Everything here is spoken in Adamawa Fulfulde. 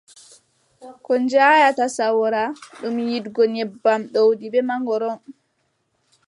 Ko jaanyata sawoora, ɗum yiɗgo nebbam, ɗowdi bee mongoro.